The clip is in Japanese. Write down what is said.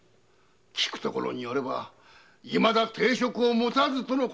聞くところによれば定職を持たぬとの事。